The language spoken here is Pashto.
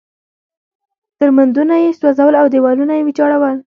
درمندونه یې سوځول او دېوالونه یې ویجاړول.